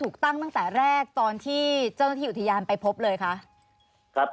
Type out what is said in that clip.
๙ค่ะครับครับ